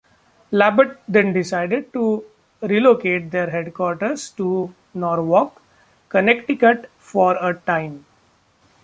Labatt then decided to relocate their headquarters to Norwalk, Connecticut for a time.